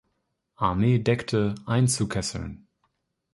Armee deckte, einzukesseln.